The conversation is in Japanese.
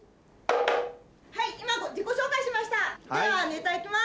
はい今自己紹介しました。